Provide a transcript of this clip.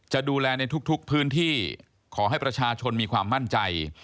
จะดูแลในทุกพื้นที่ขอให้ประชาชนมีความมั่นใจ